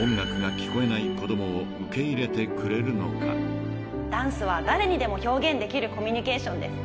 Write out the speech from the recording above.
［しかし］ダンスは誰にでも表現できるコミュニケーションです。